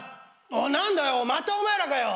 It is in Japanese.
何だよまたお前らかよ。